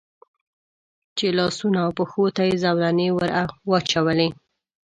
چې لاسونو او پښو ته یې زولنې را واچولې.